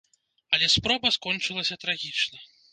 Але спроба скончылася трагічна.